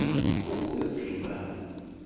Wukud qimeɣ?